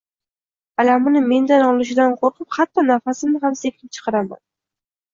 Alamini mendan olishidan qoʻrqib, hatto nafasimni ham sekin chiqaraman